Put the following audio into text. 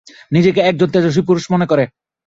নিজেকে একজন তেজস্বী পুরুষ মনে কর।